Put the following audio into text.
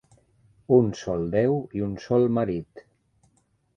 Un sol Déu i un sol marit.